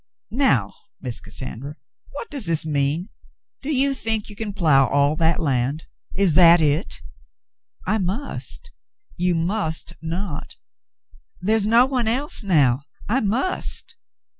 Now, Miss Cassandra, what does this mean ? Do you think you can plough all that land ? Is that it?" "I must." 'You must not." "There is no one else now. I must."